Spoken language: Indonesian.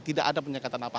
tidak ada penyekatan apa apa